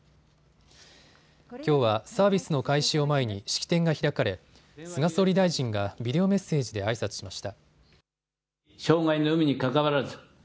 きょうはサービスの開始を前に式典が開かれ菅総理大臣がビデオメッセージであいさつしました。